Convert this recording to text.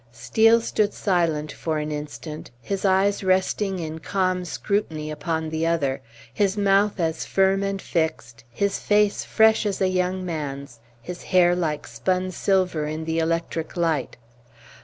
Steel stood silent for an instant, his eyes resting in calm scrutiny upon the other, his mouth as firm and fixed, his face fresh as a young man's, his hair like spun silver in the electric light.